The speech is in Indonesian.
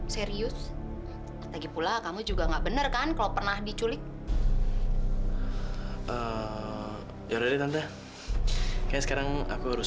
serius lagi pula kamu juga nggak bener kan kalau pernah diculik ya udah tante sekarang aku harus